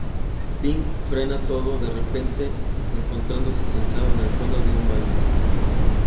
Pink frena todo de repente, encontrándose sentado en el fondo de un baño.